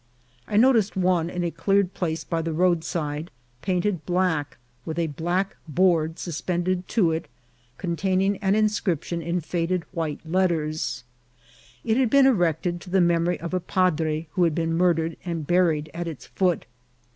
I noticed one in a cleared place by the roadside, painted black, with a black board sus pended to it, containing an inscription in faded white letters ; it had been erected to the memory of a padre who had been murdered and buried at its foot.